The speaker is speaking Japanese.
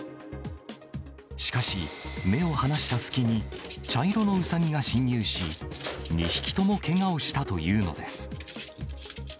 しかし、目を離したすきに、茶色のウサギが侵入し、２匹ともけがをしたというのです。